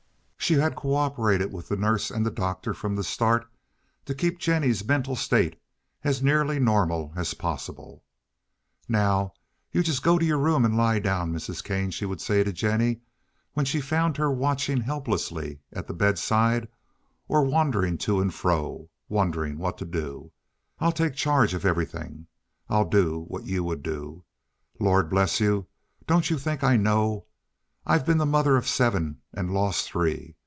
She had co operated with the nurse and doctor from the start to keep Jennie's mental state as nearly normal as possible. "Now, you just go to your room and lie down, Mrs. Kane," she would say to Jennie when she found her watching helplessly at the bedside or wandering to and fro, wondering what to do. "I'll take charge of everything. I'll do just what you would do. Lord bless you, don't you think I know? I've been the mother of seven and lost three.